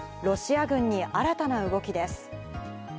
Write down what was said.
ロシア軍に新たな動きです。